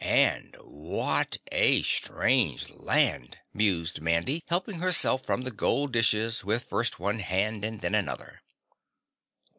And WHAT a strange land, mused Mandy helping herself from the gold dishes with first one hand and then another.